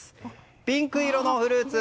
ピンク色のフルーツ。